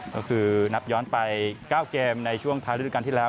ก็คือนับย้อนไป๙เกมในช่วงท้ายฤดูการที่แล้ว